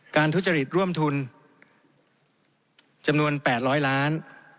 ทุจริตร่วมทุนจำนวน๘๐๐ล้าน